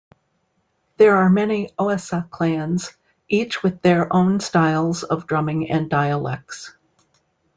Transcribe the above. There are many Xhosa clans, each with their own styles of drumming and dialects.